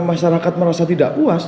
masyarakat merasa tidak puas